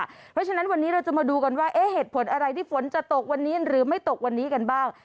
เพราะฉะนั้นวันนี้เราจะมาดูกันว่าเหตุผลอะไรที่ฝนจะตกวันนี้หรือไม่ตกวันนี้กันบ้าง